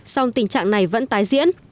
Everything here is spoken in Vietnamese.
song tình trạng này vẫn tái diễn